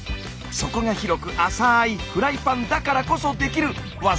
底が広く浅いフライパンだからこそできるワザなんです。